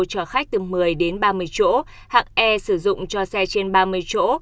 chở khách từ một mươi đến ba mươi chỗ hạng e sử dụng cho xe trên ba mươi chỗ